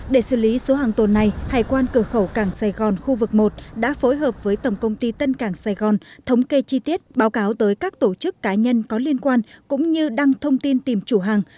để xử lý số hàng tồn này hải quan cửa khẩu cảng sài gòn khu vực một đã phối hợp với tổng công ty tân cảng sài gòn thống kê chi tiết báo cáo tới các tổ chức cá nhân có liên quan cũng như đăng thông tin tìm chủ hàng